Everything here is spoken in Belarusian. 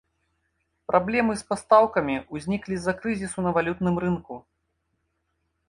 Праблемы з пастаўкамі ўзніклі з-за крызісу на валютным рынку.